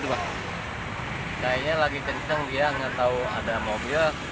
kayaknya lagi kenceng dia nggak tahu ada mobil